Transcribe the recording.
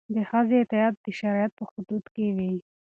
د ښځې اطاعت د شریعت په حدودو کې وي.